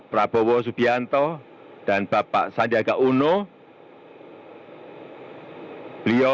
sekali lagi saya ucapkan terima kasih kepada seluruh rakyat indonesia